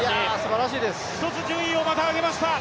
一つ順位をまた上げました。